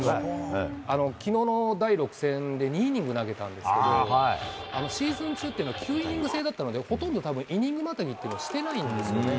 昨日の第６戦で２イニング投げたんですけどシーズン中は９イニング制だったのでほとんどイニングまたぎはしていなかったんですよね。